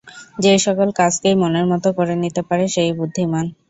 যে সকল কাজকেই মনের মত করে নিতে পারে, সে-ই বুদ্ধিমান।